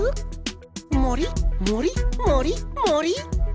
もりもりもりもり！